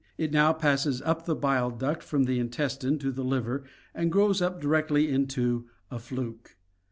It now passes up the bile duct from the intestine to the liver and grows up directly into a fluke.